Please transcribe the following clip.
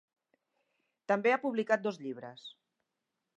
També ha publicat dos llibres.